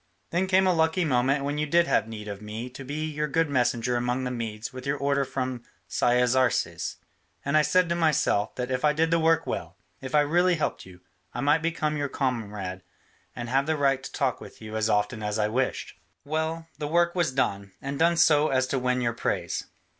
Then came a lucky moment when you did have need of me to be your good messenger among the Medes with the order from Cyaxares, and I said to myself that if I did the work well, if I really helped you, I might become your comrade and have the right to talk with you as often as I wished. Well, the work was done, and done so as to win your praise.